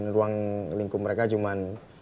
ruang lingkung mereka cuman